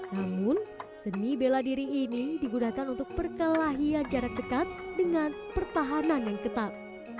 namun seni bela diri ini digunakan untuk perkelahian jarak dekat dengan pertahanan yang ketat